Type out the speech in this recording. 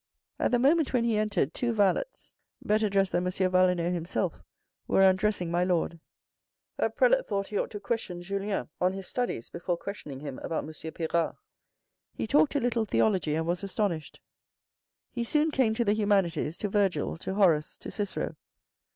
At the moment when he entered, two valets, better dressed than M. Valenod himself, were undressing my lord. That prelate thought he ought to question Julien on his studies before questioning him about M. Pirard. He talked a little theology, and was astonished. He soon came to the THE FIRST PROMOTION 213 humanities, to Virgil, to Horace, to Cicero.